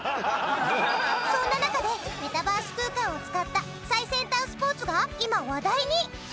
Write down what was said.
そんな中でメタバース空間を使った最先端スポーツが今話題に！